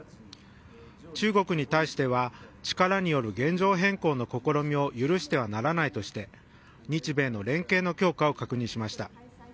中国に対しては力による現状変更の試みを許してはならないとして日米の連携の強化を確認しました。